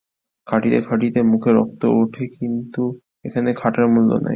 খাটিতে খাটিতে মুখে রক্ত ওঠে-কিন্তু এখানে খাটার মূল্য নাই।